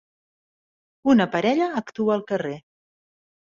Una parella actua al carrer.